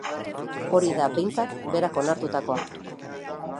Hori da, behintzat, berak onartutakoa.